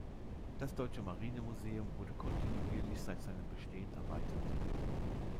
Das Deutsche Marinemuseum wurde kontinuierlich seit seinem Bestehen erweitert.